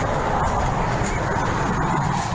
อุ้ยเด็กอุ้ย